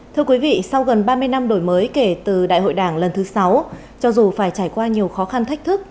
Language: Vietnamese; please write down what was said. thưa quý vị sau gần ba mươi năm đổi mới kể từ đại hội đảng lần thứ sáu cho dù phải trải qua nhiều khó khăn thách thức